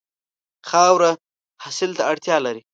خاوره حاصل ته اړتیا لري.